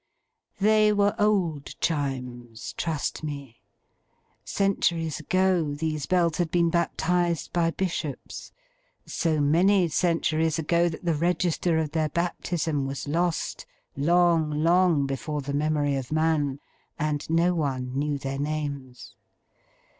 They were old Chimes, trust me. Centuries ago, these Bells had been baptized by bishops: so many centuries ago, that the register of their baptism was lost long, long before the memory of man, and no one knew their names.